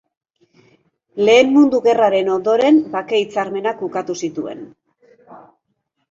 Lehen Mundu Gerraren ondoren bake-hitzarmenak ukatu zituen.